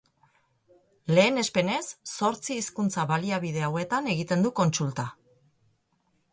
Lehenespenez, zortzi hizkuntza-baliabide hauetan egiten du kontsulta.